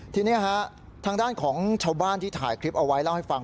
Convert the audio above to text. ทีนี้ทางด้านของชาวบ้านที่ถ่ายคลิปเอาไว้เล่าให้ฟัง